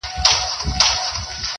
تاریخ د ملتونو حافظه ده